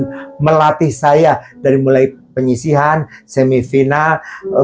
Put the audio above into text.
juga ada juga yang penting dan itu adalah suatu hal yang sangat penting dan itu adalah suatu hal yang sangat penting dan